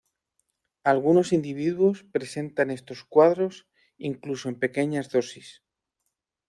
Algunos individuos presentan estos cuadros incluso en pequeñas dosis.